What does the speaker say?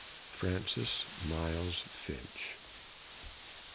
FRANCIS MILES FINCH.